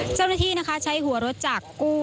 เจ้าหน้าที่นะคะใช้หัวรถจากกู้